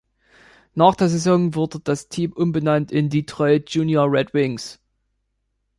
Nach der Saison wurde das Team umbenannt in Detroit Junior Red Wings.